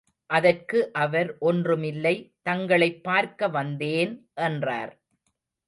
அதற்கு அவர், ஒன்றுமில்லை, தங்களைப் பார்க்க வந்தேன்! என்றார்.